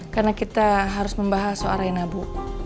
karena kita harus membahas soal raina bu